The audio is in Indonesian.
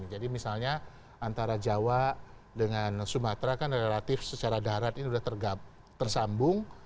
jadi misalnya antara jawa dengan sumatera kan relatif secara darat ini sudah tersambung